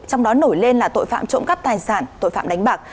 trong đó nổi lên là tội phạm trộm cắp tài sản tội phạm đánh bạc